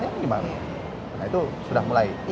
nah itu sudah mulai